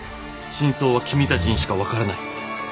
「真相は君たちにしかわからない」。